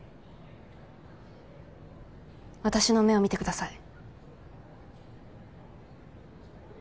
私の目を見てください。